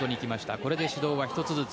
これで指導は１つずつ。